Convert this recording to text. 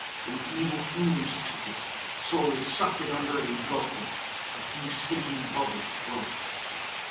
An evil ooze took it, slowly sucked it under and engulfed it. A few stinking bubbles broke.